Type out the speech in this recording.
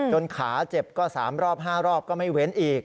ขาเจ็บก็๓รอบ๕รอบก็ไม่เว้นอีก